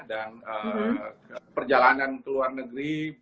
dan perjalanan ke luar negeri